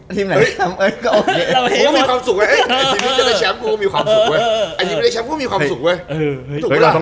แล้วผมอ่ะเชียร์ทุกทีม